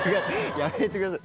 やめてください。